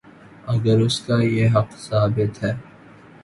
اگراس کا یہ حق ثابت ہے۔